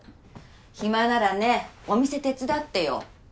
暇ならねお店手伝ってよ。